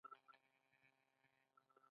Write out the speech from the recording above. هغه د خوراک يا غذائيت پۀ الف ب هم نۀ دي خبر